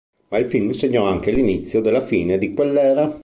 Ma il film segnò anche l'inizio della fine di quell'era.